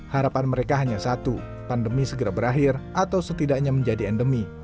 harapan mereka hanya satu pandemi segera berakhir atau setidaknya menjadi endemi